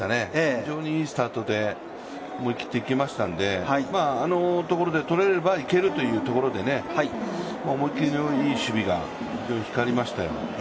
非常にいいスタートで思い切っていけましたんであのところでとれればいけるというところで思いきりのいい守備が光りましたよ。